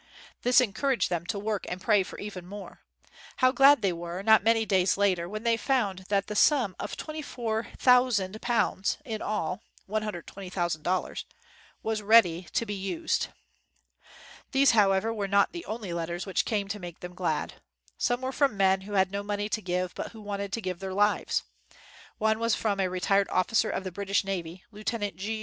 This encouraged them to work and pray for even more. How glad they were, not many days later, when they found that the sum of £24,000 in all [$120,000] was ready to be used! These, however, were not the only letters which came to make them glad. Some were from men who had no money to give, but who wanted to give their lives. One was from a retired officer of the British navy, Lieutenant G.